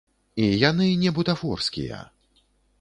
І яны не бутафорскія.